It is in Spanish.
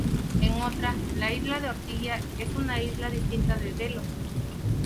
En otra, la isla de Ortigia es una isla distinta de Delos.